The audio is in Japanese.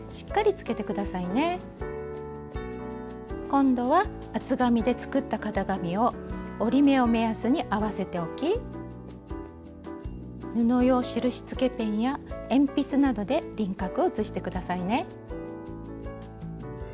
今度は厚紙で作った型紙を折り目を目安に合わせて置き布用印つけペンや鉛筆などで輪郭を写して下さいね。